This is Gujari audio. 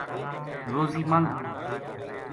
روزی منگ ـ